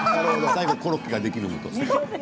最後にコロッケができるのと。